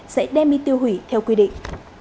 sẽ đem đi tiêu hủy theo quy định